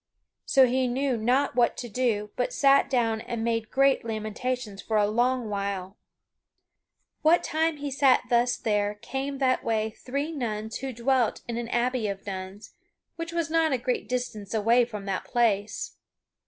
So he knew not what to do but sat down and made great lamentation for a long while. [Sidenote: The Lady Helen taketh to a Nunnery] What time he sat thus there came that way three nuns who dwelt in an abbey of nuns which was not a great distance away from that place.